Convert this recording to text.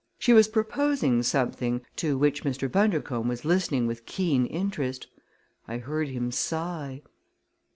She was proposing something to which Mr. Bundercombe was listening with keen interest. I heard him sigh.